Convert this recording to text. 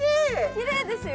きれいですよ